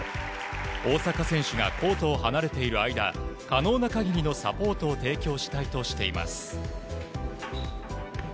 大坂選手がコートを離れている間可能な限りのサポートを提供したいとしています。